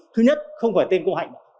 thứ nhất không phải tên cô hạnh